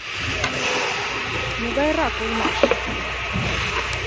— Могайрак улмаш?